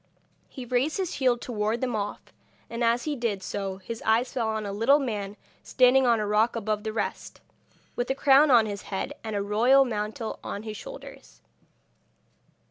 He raised his shield to ward them off, and as he did so his eyes fell on a little man standing on a rock above the rest, with a crown on his head and a royal mantle on his shoulders.